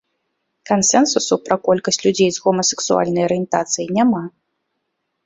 Кансэнсусу пра колькасць людзей з гомасексуальнай арыентацыяй няма.